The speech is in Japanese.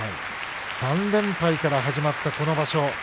３連敗から始まった今場所。